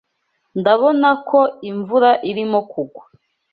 Ndabona ko imvura irimo kugwa.